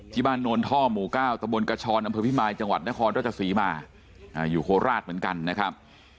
ที่บ้านโนรท่อหมู่ก้าวตระบวนกระชอนอำเภอพิมายจังหวัดนครดรสีมาอยู่โฮลาศเหมือนกันนะครับ